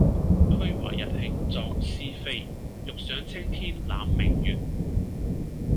俱懷逸興壯思飛，欲上青天攬明月